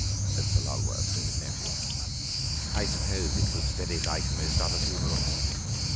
said Sir Lulworth to his nephew; "I suppose it was very like most other funerals?"